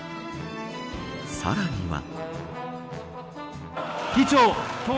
さらには。